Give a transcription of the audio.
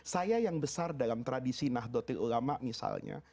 saya yang besar dalam tradisi nahdlatul ulama misalnya